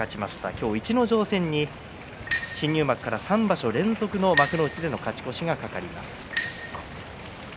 今日、逸ノ城戦に新入幕から３場所連続の幕内での勝ち越しが懸かります。